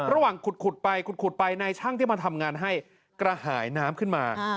ระหว่างขุดไปขุดไปนายช่างที่มาทำงานให้กระหายน้ำขึ้นมา